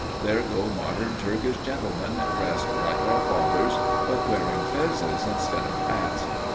There go modern Turkish gentlemen dressed like our fathers, but wearing fezzes instead of hats.